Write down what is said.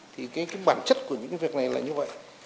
thì cái bản chất của những việc này là như vậy